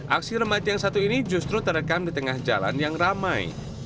aksi remaja yang satu ini justru terekam di tengah jalan yang ramai